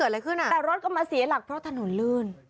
แต่รถก็มาเสียหลักเพราะถนนลื่น